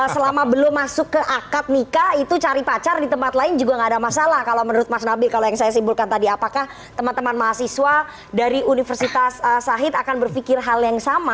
selama belum masuk ke akad nikah itu cari pacar di tempat lain juga nggak ada masalah kalau menurut mas nabil kalau yang saya simpulkan tadi apakah teman teman mahasiswa dari universitas sahid akan berpikir hal yang sama